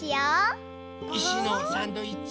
いしのサンドイッチ？